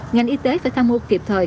ngành y tế phải tham hộ kịp thời